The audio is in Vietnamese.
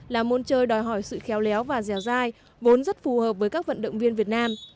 là môn chơi đòi hỏi sự khéo léo và dẻo dai vốn rất phù hợp với các vận động viên việt nam